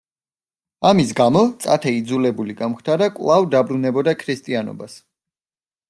ამის გამო, წათე იძულებული გამხდარა კვლავ დაბრუნებოდა ქრისტიანობას.